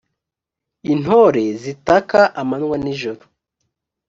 intore zitaka amanywa n ijoro